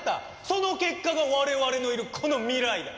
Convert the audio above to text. その結果が我々のいるこの未来だ。